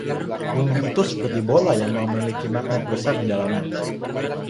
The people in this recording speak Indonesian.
Bumi itu seperti bola yang memiliki magnet besar di dalamnya.